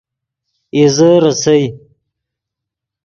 اِیزے ریسئے